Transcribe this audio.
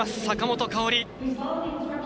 坂本花織。